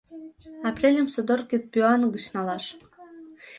Апрельым содор кидпӱан гыч налаш.